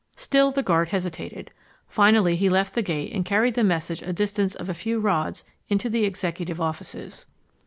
Still the guard hesitated. Finally he left the gate and carried the message a distance of a few rods into the Executive offices.